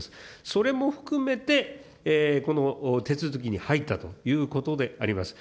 それも含めてこの手続きに入ったということであります。